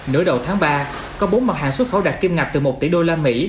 nửa đầu tháng ba có bốn mặt hàng xuất khẩu đạt kim ngạch từ một tỷ usd